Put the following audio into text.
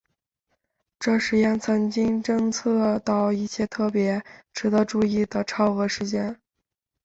这实验曾经侦测到一些特别值得注意的超额事件。